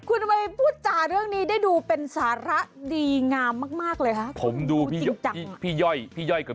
คุณไปพูดจาเรื่องนี้ได้ดูเป็นสาระดีงามมากเลยคะ